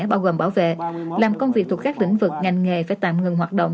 bao gồm bảo vệ làm công việc thuộc các lĩnh vực ngành nghề phải tạm ngừng hoạt động